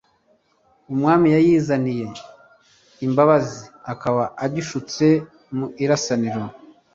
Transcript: Umwami yayizaniye imbabaziAkaba agishutse mu Irasaniro